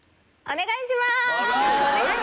お願いします。